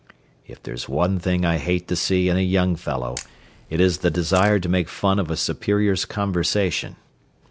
If there's one thing I hate to see in a young fellow, it is the desire to make fun of a superior's conversation.